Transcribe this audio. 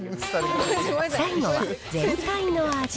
最後は全体の味。